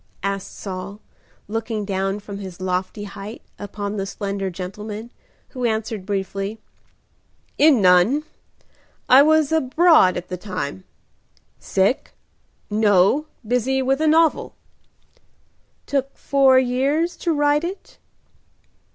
asked Saul, looking down from his lofty height upon the slender gentleman, who answered briefly, "In none. I was abroad at the time." "Sick?" "No, busy with a novel." "Took four years to write it?"